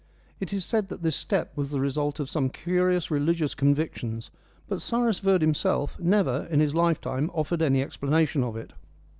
It is said that this step was the result of some curious religious convictions, but Cyrus Verd himself never in his lifetime offered any explanation of it."